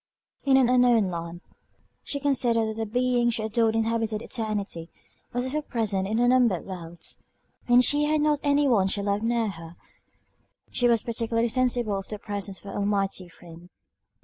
In an unknown land, she considered that the Being she adored inhabited eternity, was ever present in unnumbered worlds. When she had not any one she loved near her, she was particularly sensible of the presence of her Almighty Friend.